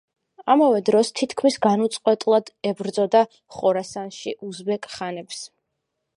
ამავე დროს თითქმის განუწყვეტლად ებრძოდა ხორასანში უზბეკ ხანებს.